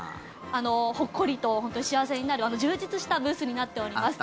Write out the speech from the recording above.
ほっこりと幸せになる充実したブースになっております。